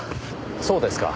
そうですか。